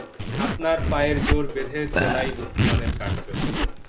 আপনার পায়ের জোর বেঁধে চলাই বুদ্ধিমানের কার্য।